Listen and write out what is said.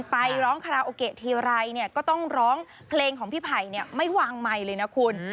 ไปร้องคาราโอเกะทีไรเนี่ยก็ต้องร้องเพลงของพี่ไผ่ไม่วางไมค์เลยนะคุณ